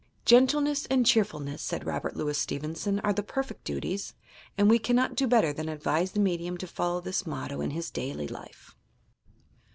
"Gentleness and cheer fulness," said Robert Louis Stevenson, "are the perfect duties"; and we cannot do better than advise the medium to follow this motto in his daily life.